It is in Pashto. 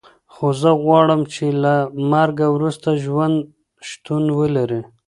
خو زه غواړم چې له مرګ وروسته ژوند شتون ولري